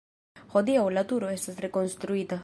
Hodiaŭ la turo estas rekonstruita.